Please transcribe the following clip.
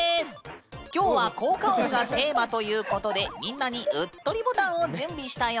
今日は「効果音」がテーマということでみんなにうっとりボタンを準備したよ。